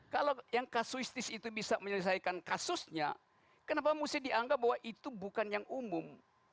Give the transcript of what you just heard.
kalau yang kasuistis itu bisa menyelesaikan kasusnya kenapa mesti dianggap bahwa itu bukan yang umum